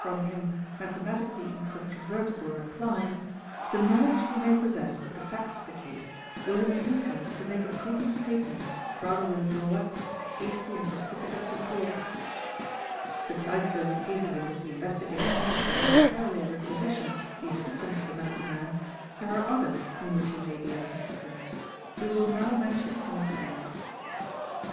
from him mathematically incontrovertible replies, the knowledge he may possess of the facts of the case will induce him to make a prudent statement rather than draw up a hasty and precipitate report "8. Besides those cases in which the Investigating Officer necessarily requisitions the assistance of the medical man, there are others in which he may be of assistance. We will now mention some of these.